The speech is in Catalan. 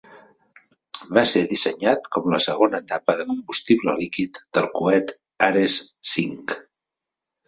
Va ser dissenyat com la segona etapa de combustible líquid del coet Ares V.